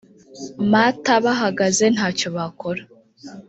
mt bahagaze nta cyo bakora